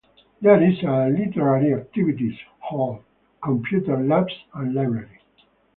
There is a Literary Activities Hall, Computer Labs and library.